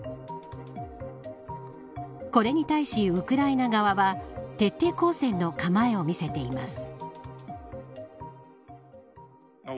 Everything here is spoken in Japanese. これに対しウクライナ側は徹底抗戦の構えを見せています。